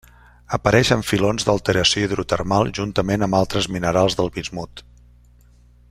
Apareix en filons d'alteració hidrotermal juntament amb altres minerals del bismut.